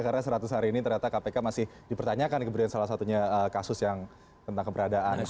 karena seratus hari ini ternyata kpk masih dipertanyakan kemudian salah satunya kasus yang tentang keberadaan as